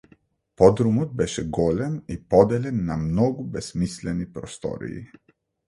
Подрумот беше голем и поделен на многу бесмислени простории.